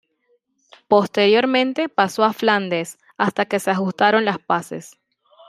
Posteriormente pasó a Flandes hasta que se ajustaron las paces.